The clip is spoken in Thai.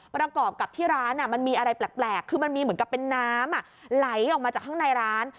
ประกอบกับที่ร้านมันมีอะไรแปลกคือมันมีเหมือนกับเป็นน้ำไหลออกมาจากข้างในร้าน